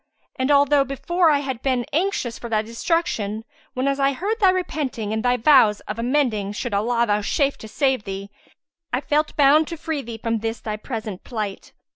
And although before I had been anxious for thy destruction, whenas I heard thy repenting and thy vows of amending should Allah vouchsafe to save thee, I felt bound to free thee from this thy present plight.